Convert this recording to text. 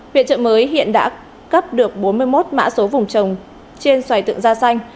huyện trợ mới hiện đã cấp được bốn mươi một mã số vùng trồng trên xoài tượng da xanh